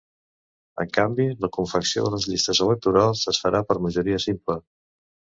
En canvi, la confecció de les llistes electorals es farà per majoria simple.